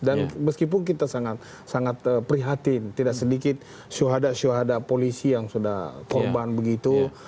dan meskipun kita sangat prihatin tidak sedikit syuhada syuhada polisi yang sudah korban begitu